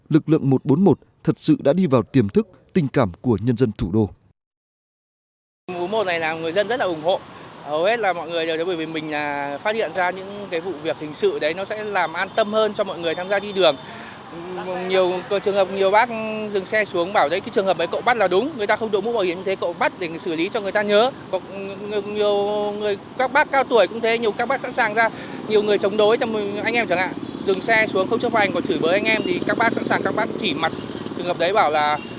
lực lượng một trăm bốn mươi một thật sự đã đi vào tiềm thức tình cảm của nhân dân thủ đô